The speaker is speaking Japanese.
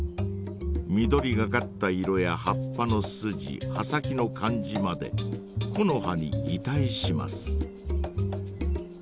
緑がかった色や葉っぱのスジ葉先の感じまで木の葉にぎたいします。